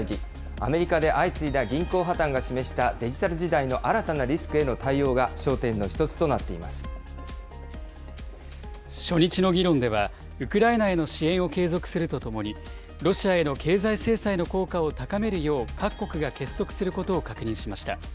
アメリカで相次いだ銀行破綻が示したデジタル時代の新たなリスクへの対応が焦点の一つとなってい初日の議論では、ウクライナへの支援を継続するとともに、ロシアへの経済制裁の効果を高めるよう各国が結束することを確認しました。